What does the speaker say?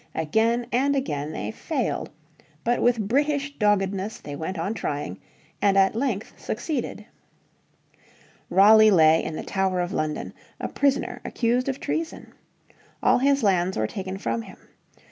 Again and again they failed. But with British doggedness they went on trying, and at length succeeded. Raleigh lay in the Tower of London, a prisoner accused of treason. All his lands were taken from him.